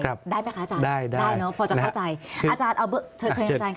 ได้ไหมคะอาจารย์พอจะเข้าใจอาจารย์เอาเบอร์เชิญค่ะอาจารย์